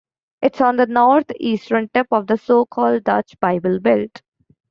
It's on the north-eastern tip of the so-called Dutch Bible Belt.